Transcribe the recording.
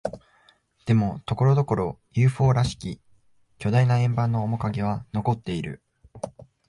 でも、ところどころ、ＵＦＯ らしき巨大な円盤の面影は残っている。